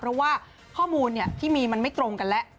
เพราะว่าข้อมูลที่มีมันไม่ตรงกันแล้ว